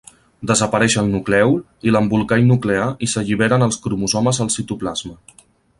Desapareix el nuclèol i l'embolcall nuclear i s'alliberen els cromosomes al citoplasma.